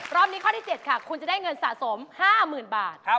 รอบนี้ข้อที่๗ค่ะคุณจะได้เงินสะสม๕๐๐๐บาท